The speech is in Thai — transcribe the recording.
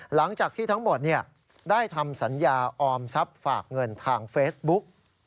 หลังจากที่ทั้งหมดได้ทำสัญญาออมทรัพย์ฝากเงินทางเฟซบุ๊ก